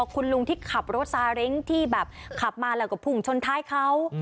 คุณลุงที่ขับรถซาเล้งที่แบบขับมาแล้วก็พุ่งชนท้ายเขา